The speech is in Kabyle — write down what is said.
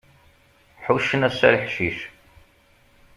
Ḥuccen ass-a leḥcic.